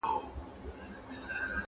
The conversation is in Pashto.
يار له جهان سره سیالي کومه ښه کومه ,